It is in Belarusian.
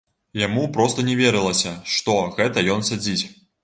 Яму проста не верылася, што гэта ён сядзіць.